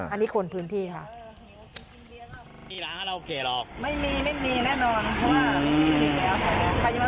อันนี้คนพื้นที่ค่ะ